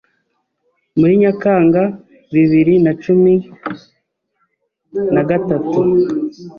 Muri Nyakanga bibiri na cumin a gatatu